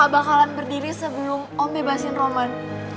aku gak bakalan berdiri sebelum om bebasin roman